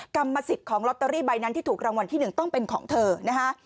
กรรมสิทธิ์ของลอตเตอรี่ใบนั้นที่ถูกรางวัลที่๑ต้องเป็นของเธอนะคะ